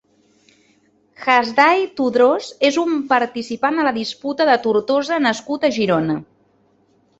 Hasdai Todros és un participant a la Disputa de Tortosa nascut a Girona.